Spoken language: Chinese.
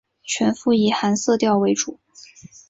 全幅以寒色调为主